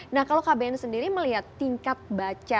nah kalau kbn sendiri melihat tingkat baca